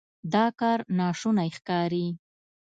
دا کار ناشونی ښکاري.